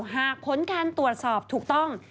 หากผลการตรวจสอบถูกต้อง